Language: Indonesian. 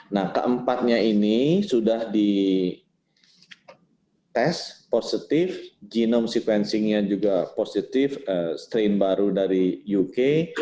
nah keempatnya ini sudah dites positif genome sequencingnya juga positif strain baru dari uk